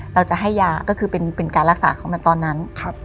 เราจะให้ยาก็คือเป็นการรักษาของมันตอนนั้น